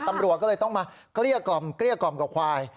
ตำรวจก็เลยต้องมาเกลี้ยกล่อมเกลี้ยกล่อมกับควาย